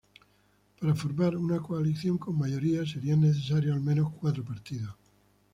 Para formar una coalición con mayoría serán necesarios al menos cuatro partidos.